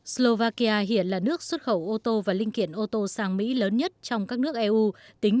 slovakia hiện là nước xuất khẩu ô tô và linh kiện ô tô sang mỹ lớn nhất trong các nước eu